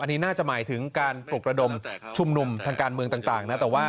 อันนี้น่าจะหมายถึงการปลุกระดมชุมนุมทางการเมืองต่างนะ